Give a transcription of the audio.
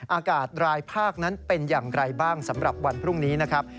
อากาศรายภาคนั้นเป็นอย่างไรบ้างสำหรับวันพรุ่งนี้นะครับ